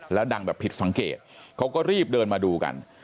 แล้วดังแบบผิดสังเกตเขาก็รีบเดินมาดูกัน